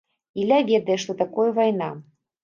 Ілля ведае, што такое вайна.